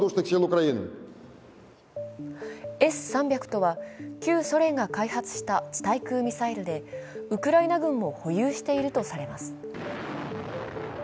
Ｓ−３００とは旧ソ連が開発した地対空ミサイルでウクライナ軍も保有しているとされます。